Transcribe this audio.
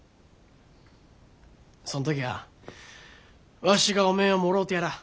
そんときゃあわしがおめえをもろうてやらあ。